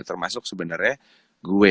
termasuk sebenarnya gue